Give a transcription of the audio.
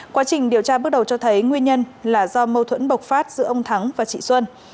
quá trình điều tra bước đầu cho thấy nguyên nhân là do mâu thuẫn bộc phát giữa ông thắng và chị xuân